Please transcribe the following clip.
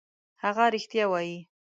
هغه رښتیا وايي.